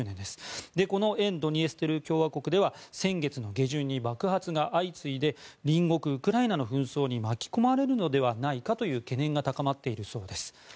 この沿ドニエストル共和国では先月の下旬に爆発が相次いで隣国ウクライナの紛争に巻き込まれるのではないかという懸念が高まっているそうです。